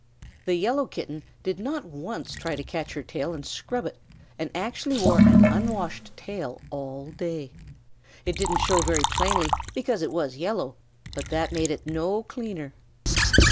The Yellow Kitten did not once try to catch her tail and scrub it, and actually wore an unwashed tail all day. It didn't show very plainly because it was yellow, but that made it no cleaner.